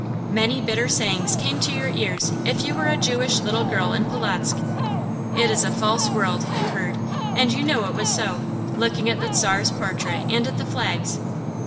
Many bitter sayings came to your ears if you were a Jewish little girl in Polotzk. "It is a false world," you heard, and you knew it was so, looking at the Czar's portrait, and at the flags.